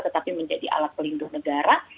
tetapi menjadi alat pelindung negara